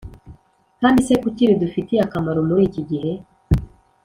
Kandi se kuki ridufitiye akamaro muri iki gihe